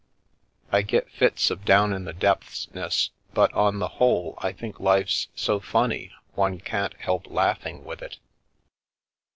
" I get fits of down in the depths ness, but on the whole I think life's so funny one can't help laughing with it."